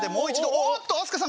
おっと飛鳥さん